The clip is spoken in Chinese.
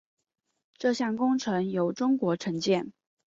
这项工程由中国承建。